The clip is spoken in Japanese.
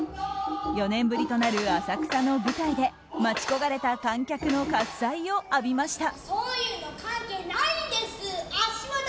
４年ぶりとなる浅草の舞台で待ち焦がれた観客の喝采を浴びました。